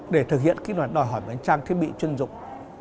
để thực hiện kỹ thuật đòi hỏi trang thiết bị chuyên dụng